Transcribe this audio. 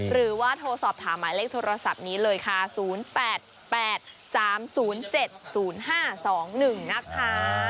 หรือว่าโทรสอบถามหมายเลขโทรศัพท์นี้เลยค่ะ๐๘๘๓๐๗๐๕๒๑นะคะ